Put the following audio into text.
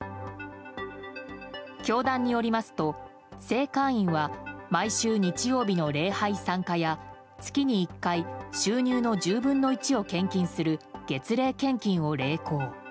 教団によりますと、正会員は毎週日曜日の礼拝参加や月に１回収入の１０分の１を献金する月例献金を励行。